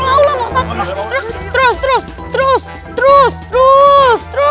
terus terus terus terus terus terus terus